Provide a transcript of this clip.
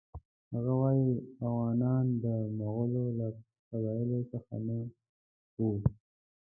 هغه وایي اوغانیان د مغولو له قبایلو څخه نه وو.